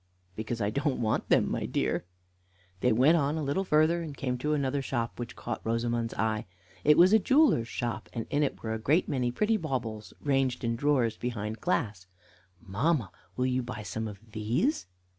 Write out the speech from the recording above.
"Because I don't want them, my dear." They went a little farther, and came to another shop, which caught Rosamond's eye. It was a jeweler's shop, and in it were a great many pretty baubles, ranged in drawers behind glass. "Mamma, will you buy some of these?"